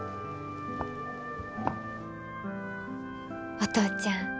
お父ちゃん